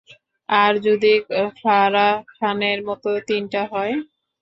আর যদি ফারাহ খানের মতো তিনটা হয়?